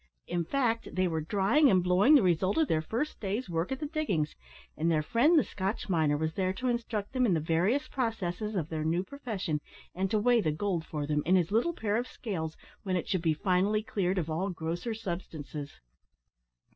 In fact, they were drying and blowing the result of their first day's work at the diggings, and their friend the Scotch miner was there to instruct them in the various processes of their new profession, and to weigh the gold for them, in his little pair of scales, when it should be finally cleared of all grosser substances.